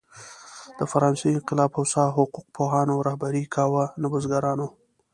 د فرانسې انقلاب هوسا حقوق پوهانو رهبري کاوه، نه بزګرانو.